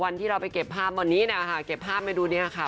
วันที่เราไปเก็บภาพเหมือนกันนี้นะคะเก็บภาพมาดูดีกว่าค่ะ